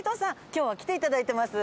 今日は来て頂いてます。